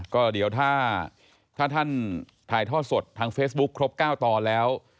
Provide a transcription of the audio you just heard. ก็เดี๋ยวถ้าท่านถ่ายทอดสดทางเฟซบุ๊คครบ๙ตอนแล้ว